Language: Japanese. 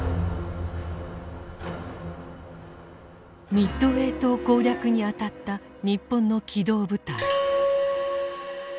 ミッドウェー島攻略にあたった日本の機動部隊。